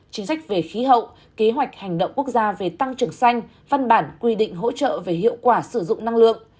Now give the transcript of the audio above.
chính sách về khí hậu kế hoạch hành động quốc gia về tăng trưởng xanh văn bản quy định hỗ trợ về hiệu quả sử dụng năng lượng